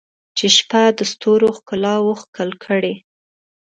چې شپه د ستورو ښکالو ښکل کړي